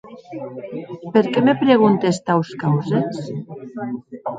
Per qué me preguntes taus causes?